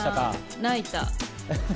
泣いた。